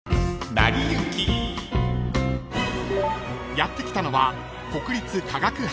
［やって来たのは］